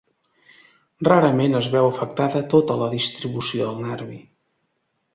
Rarament es veu afectada tota la distribució del nervi.